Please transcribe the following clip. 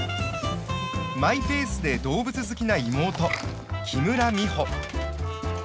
マイペースで動物好きな妹木村美穂。